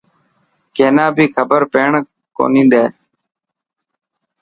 ڪينا بي خبر پيڻ ڪوني ڏي.